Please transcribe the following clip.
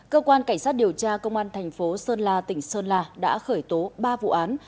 cơ quan cảnh sát điều tra công an thành phố sơn la tỉnh sơn la đã khởi tố ba vụ án